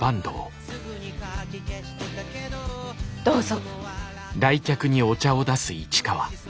どうぞ。